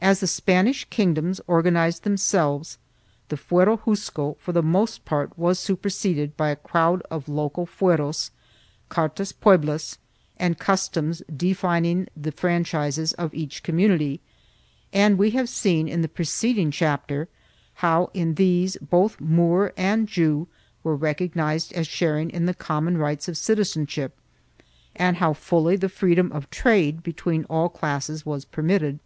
As the Spanish kingdoms organized themselves, the Fuero Juzgo for the most part was superseded by a crowd of local fueros, cartas pueblas and cus toms defining the franchises of each community, and we have seen in the preceding chapter how in these both Moor and Jew 1 Fuero Juzgo, Lib. xn, Tit. ii, ley 18. CHAP. Ill] CONDITION OF SPANISH JEWS 85 were recognized as sharing in the common rights of citizenship and how fully the freedom of trade between all classes was permitted.